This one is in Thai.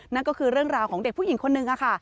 นั่นก็คือเรื่องราวของเด็กผู้หญิงคนนึงค่ะ